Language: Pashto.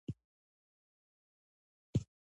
هېڅ شی هلته نه و.